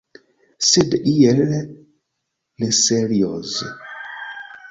Sed iel neserioze.